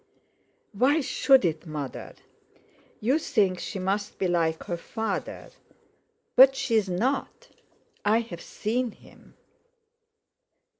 "Why should it, Mother? You think she must be like her father, but she's not. I've seen him."